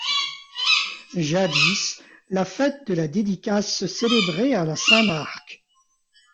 Jadis, la fête de la dédicace se célébrait à la saint Marc.